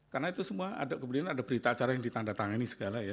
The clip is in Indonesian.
karena itu semua ada kemudian ada berita acara yang ditandatangani segala ya